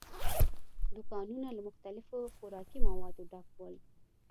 دوکانونه له مختلفو خوراکي موادو ډک ول.